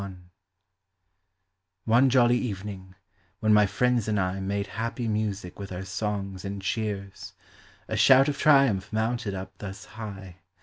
..... One jolly evening, when my friends and I Made happy music with our songs and cheers, A shout of triumph mounted up thus high.